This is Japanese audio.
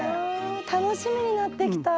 楽しみになってきた！